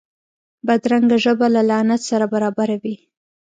بدرنګه ژبه له لعنت سره برابره وي